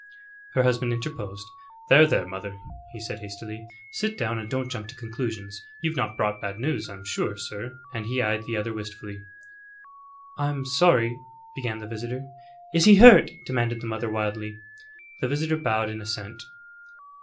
Her husband interposed. "There, there, mother," he said, hastily. "Sit down, and don't jump to conclusions. You've not brought bad news, I'm sure, sir;" and he eyed the other wistfully. "I'm sorry " began the visitor. "Is he hurt?" demanded the mother, wildly. The visitor bowed in assent.